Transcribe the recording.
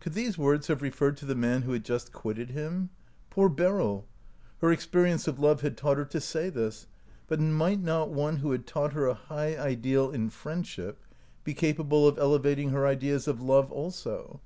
Could these words have referred to the man who had just quitted him? Poor Beryl! her experience of love had taught her to say this ; but might not one who had taught her a high ideal in friendship be capable of ele vating her ideas of love also?